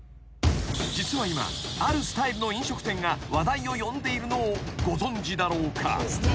［実は今あるスタイルの飲食店が話題を呼んでいるのをご存じだろうか］